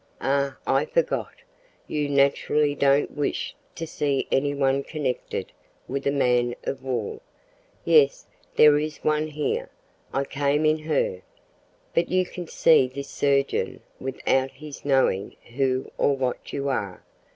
"Ah! I forgot. You naturally don't wish to see any one connected with a man of war. Yes, there is one here. I came in her. But you can see this surgeon without his knowing who or what you are.